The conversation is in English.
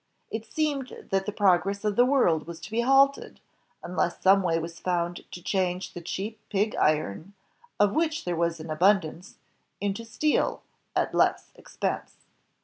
It seemed that the progress of the world was to be halted, unless some way was foimd to change the cheap pig iron, of which there was an abundance, into steel, at less expense.